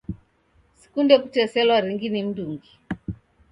Sikunde kuteselwa ringi ni mndungi